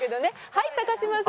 はい嶋さん。